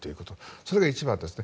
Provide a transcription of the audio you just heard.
それが一番ですね。